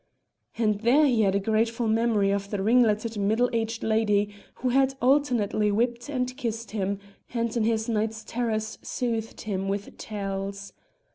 And there he had a grateful memory of the ringleted middle aged lady who had alternately whipped and kissed him, and in his night's terrors soothed him with tales.